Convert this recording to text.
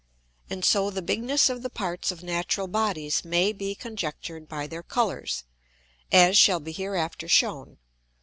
And so the bigness of the parts of natural Bodies may be conjectured by their Colours, as shall be hereafter shewn.